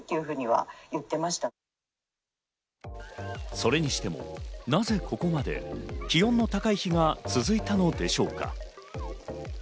それにしてもなぜここまで気温の高い日が続いたのでしょうか？